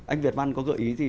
anh việt văn có gợi ý gì